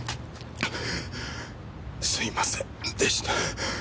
すいませんでした。